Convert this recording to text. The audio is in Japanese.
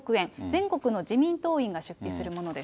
全国の自民党員が出費するものです。